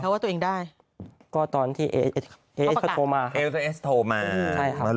ช่วงนั้นจบกดตอนเมื่อกี้จะ